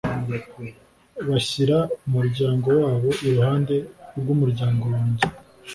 bashyira umuryango wabo iruhande rw umuryango wanjye